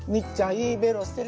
いいベロしてる。